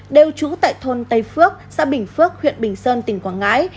đều trú tại thôn tây phước xã bình phước huyện bình sơn tỉnh quảng ngãi